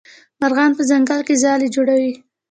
مرغان په ځنګل کې ځالې جوړوي.